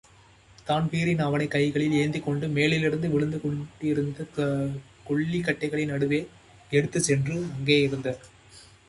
Dan Breen அவனைக் கைகளில் ஏந்திக்கொண்டு மேலிருந்து விழுந்துகொண்டிருந்த கொள்ளிக்கட்டைகளின் நடுவே எடுத்துச்சென்று அங்கேயிருந்த மல்டீன் ஓடைக்கரையில் கொண்டு வைத்தான்.